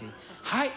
はい。